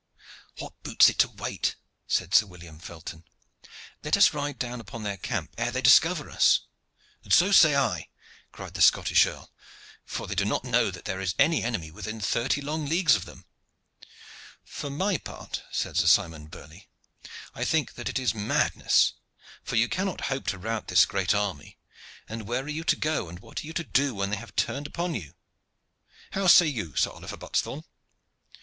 "What boots it to wait?" said Sir William Felton. "Let us ride down upon their camp ere they discover us." "And so say I," cried the Scottish earl; "for they do not know that there is any enemy within thirty long leagues of them." "For my part," said Sir Simon Burley, "I think that it is madness, for you cannot hope to rout this great army; and where are you to go and what are you to do when they have turned upon you? How say you, Sir Oliver Buttesthorn?"